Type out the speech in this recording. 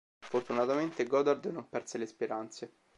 Fortunatamente Godard non perse le speranze.